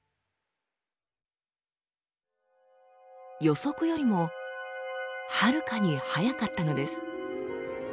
予測よりもはるかに速かったのです。